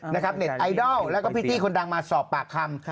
เน็ตไอดอลแล้วก็พี่ตี้คนดังมาสอบปากคำ